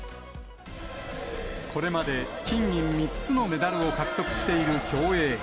これまで金銀３つのメダルを獲得している競泳。